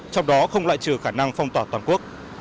trong đó không lại trừ khả năng phong tỏa toàn quốc